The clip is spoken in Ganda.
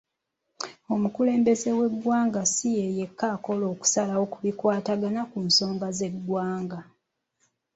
Omukulembeze w'eggwanga si yeyekka akola okusalawo ku bikwatagana ku nsonga z'eggwanga.